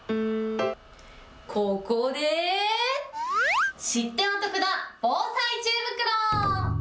ここで知ってお得な防災知恵袋。